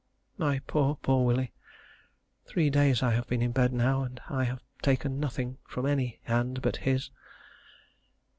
My poor, poor Willie.... Three days I have been in bed now, but I have taken nothing from any hand but his.